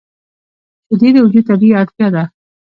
شیدې د وجود طبیعي اړتیا ده